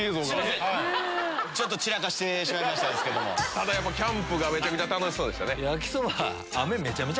ただキャンプがめちゃくちゃ楽しそうでしたね。